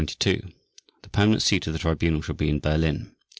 _ The permanent seat of the Tribunal shall be in Berlin.